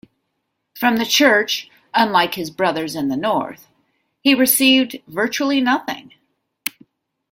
From the Church, unlike his brothers in the north, he received virtually nothing.